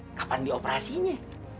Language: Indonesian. si fitri kapan dioperasinya